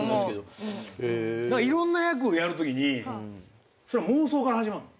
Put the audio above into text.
いろんな役をやるときにそれは妄想から始まるの？